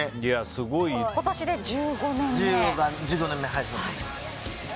今年で１５年目。